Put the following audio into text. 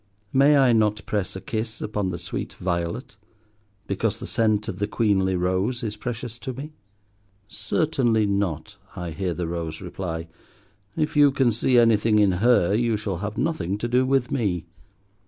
May I not press a kiss upon the sweet violet, because the scent of the queenly rose is precious to me? "Certainly not," I hear the Rose reply. "If you can see anything in her, you shall have nothing to do with me."